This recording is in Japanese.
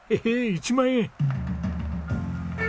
１万円！